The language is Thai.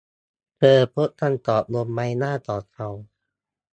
เธอพบคำตอบบนใบหน้าของเขา